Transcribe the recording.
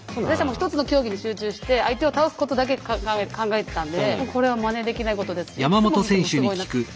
私は一つの競技に集中して相手を倒すことだけ考えてたんでこれはまねできないことですしいつ見てもすごいなと。